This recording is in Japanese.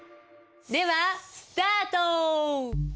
ではスタート！